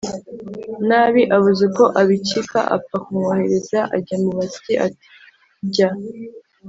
nabi!”Abuze uko abikika apfa kumwoheraza ajya mu basyi, ati: “ Jya